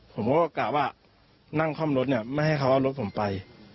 ผมก็กะว่านั่งคล่อมรถเนี่ยไม่ให้เขาเอารถผมไป